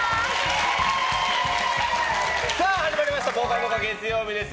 始まりました「ぽかぽか」月曜日です。